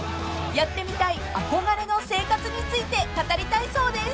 ［やってみたい憧れの生活について語りたいそうです］